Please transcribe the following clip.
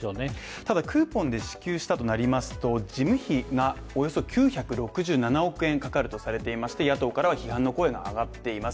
ただクーポンで支給したとなりますと、事務費がおよそ９６７億円かかるとされていまして野党からは批判の声が上がっています。